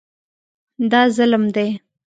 دا ظلم دی.